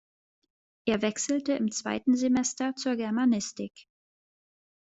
Er wechselte im zweiten Semester zur Germanistik.